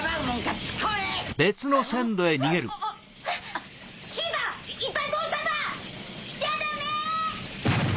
あっ！